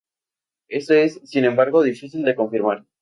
Esto es, sin embargo, difícil de confirmar.